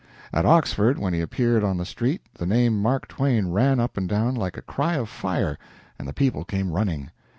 At Oxford when he appeared on the street the name Mark Twain ran up and down like a cry of fire, and the people came running.